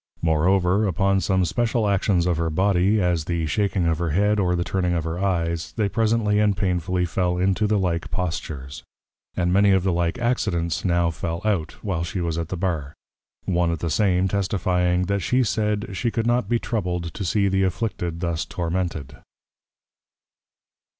Moreover, Upon some Special Actions of her Body, as the shaking of her Head, or the turning of her Eyes, they presently and painfully fell into the like postures. And many of the like Accidents now fell out, while she was at the Bar. One at the same time testifying, That she said, _She could not be troubled to see the afflicted thus tormented.